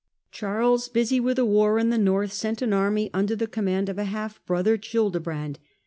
Charlea busy with a war in the North, sent an army under the command of a half brother, Childebrand.